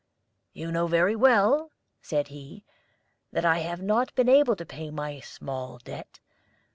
"You know very well," said he, "that I have not been able to pay my small debt.